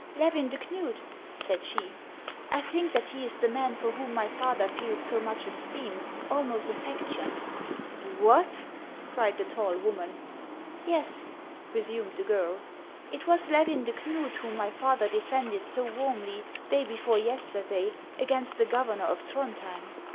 " Levin de Knud ?" said she ;" I think that he is the man for whom my father feels so much esteem, almost affection." " What !" cried the tall woman. " Yes," resumed the girl ;" it was Levin de Knud whom my father defended so warmly, day before yesterday, against the governor of Throndhjem."